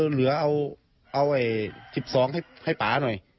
เหลือเอา๑๒ให้ป่าหน่อย